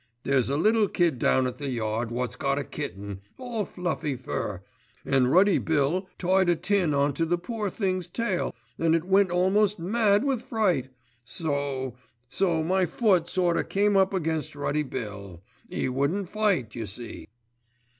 There's a little kid down at the yard wot's got a kitten, all fluffy fur, and Ruddy Bill tied a tin on to the poor thing's tail, an' it went almost mad with fright, so—so my foot sort o' came up against Ruddy Bill. 'E wouldn't fight, you see."